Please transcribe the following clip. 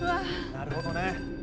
なるほどね。